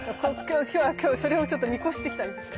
今日はそれをちょっと見越して来たんですよ。